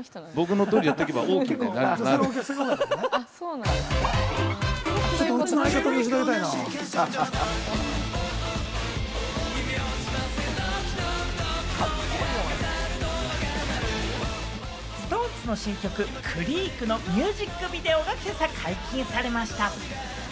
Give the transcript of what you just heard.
なんで女の人なんやろ？ＳｉｘＴＯＮＥＳの新曲『ＣＲＥＡＫ』のミュージックビデオが今朝、解禁されました。